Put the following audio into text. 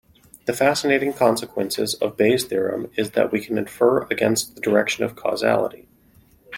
The fascinating consequence of Bayes' theorem is that we can infer against the direction of causality.